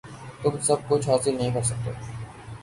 تم سب کچھ حاصل نہیں کر سکتے۔